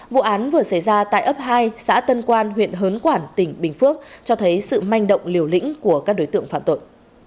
vụ án vừa xảy ra tại ấp hai xã tân quan huyện hớn quản tỉnh bình phước cho thấy sự manh động liều lĩnh của các đối tượng phạm tội